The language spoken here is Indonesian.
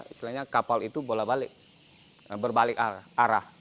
istilahnya kapal itu bola balik berbalik arah